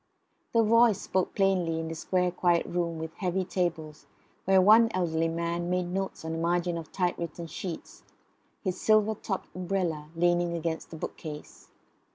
The voice spoke plainly in the square quiet room with heavy tables, where one elderly man made notes on the margin of typewritten sheets, his silver topped umbrella leaning against the bookcase.